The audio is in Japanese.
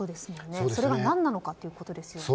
それが何なのかということですよね。